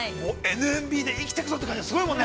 ◆ＮＭＢで生きていくぞという感じがすごいもんね。